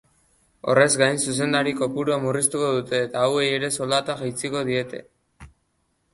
Horrez gain, zuzendari-kopurua murriztuko dute eta hauei ere soldata jaitsiko diete.